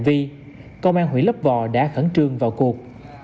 vì công an huyện lấp vò đã khẩn trương vào cuộc